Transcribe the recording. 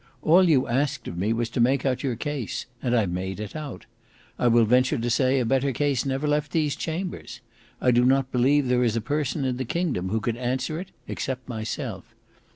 All you asked of me was to make out your case, and I made it out. I will venture to say a better case never left these chambers; I do not believe there is a person in the kingdom who could answer it except myself.